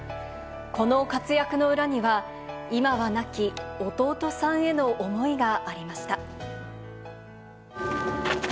この活躍の裏には、今は亡き弟さんへの思いがありました。